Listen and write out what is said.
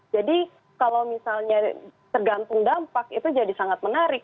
jadi kalau misalnya tergantung dampak itu jadi sangat menarik